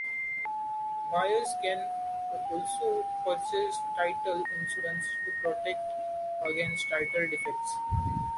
Buyers can also purchase title insurance to protect against title defects.